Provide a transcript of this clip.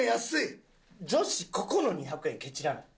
女子ここの２００円ケチらない。